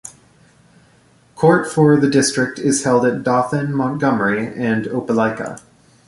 Court for the District is held at Dothan, Montgomery, and Opelika.